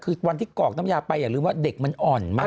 คือวันที่กรอกน้ำยาไปอย่าลืมว่าเด็กมันอ่อนมาก